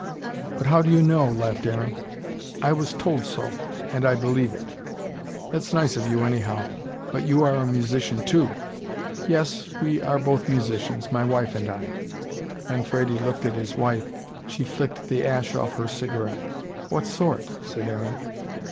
"But how do you know?" laughed Aaron. "I was told so and I believe it." "That's nice of you, anyhow But you are a musician too." "Yes we are both musicians my wife and I." Manfredi looked at his wife. She flicked the ash off her cigarette. "What sort?" said Aaron.